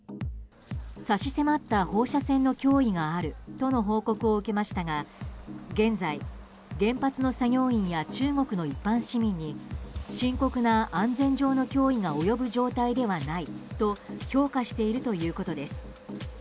差し迫った放射線の脅威があるとの報告を受けましたが現在、原発の作業員や中国の一般市民に深刻な安全上の脅威が及ぶ状態ではないと評価しているということです。